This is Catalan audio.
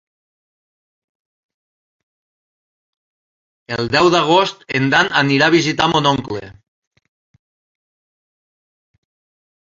El deu d'agost en Dan anirà a visitar mon oncle.